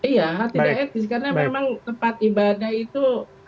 iya tidak etis karena memang tempat ibadah itu